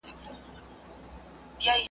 تر لمسیو کړوسیو مو بسیږي .